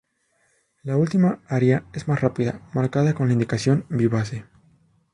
La última aria es más rápida, marcada con la indicación "vivace".